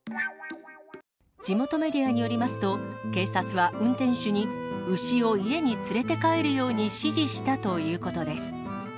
地元メディアによりますと、警察は運転手に、牛を家に連れて帰るように指示したということです。